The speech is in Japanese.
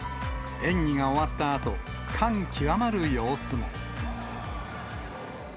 演技が終わったあと、感極まる様子も。